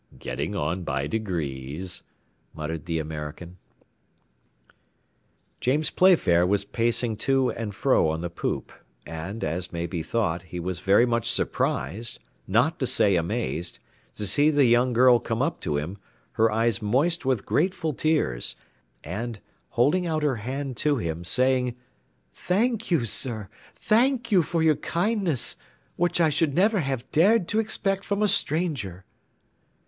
"Getting on by degrees," muttered the American. James Playfair was pacing to and fro on the poop, and, as may be thought, he was very much surprised, not to say amazed, to see the young girl come up to him, her eyes moist with grateful tears, and, holding out her hand to him, saying: "Thank you, sir, thank you for your kindness, which I should never have dared to expect from a stranger."